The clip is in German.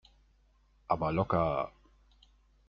Aber locker!